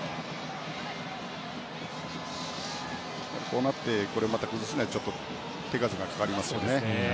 こうなってくると崩すのは手数がかかりますね。